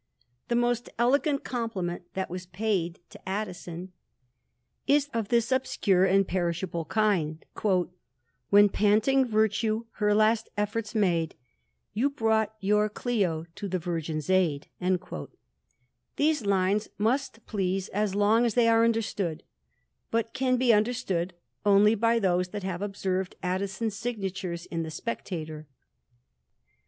The most elegant compliment that was paid to Addi is of this obscure and perishable kind ;When psinting Vittue her last efforts made, You brought your Clio to the Virgin's aid." These lines must please as long as they are understc but can be understood only by those that have obse Addison's signatures in the Spectator.